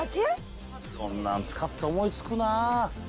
こんなん使って思い付くなぁ。